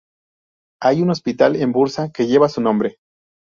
Hay un hospital en Bursa que lleva su nombre.